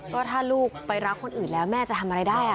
ก็ถ้าลูกไปรักคนอื่นแล้วแม่จะทำอะไรได้